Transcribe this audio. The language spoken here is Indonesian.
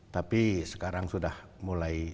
tapi sekarang sudah mulai